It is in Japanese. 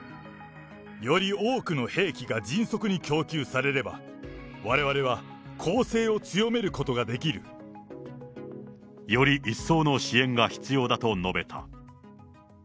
より多くの兵器が迅速に供給されれば、われわれは攻勢を強めることができる。より一層の支援が必要だと述べた。